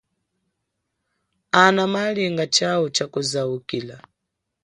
Ana malinga chau chakuzaukila.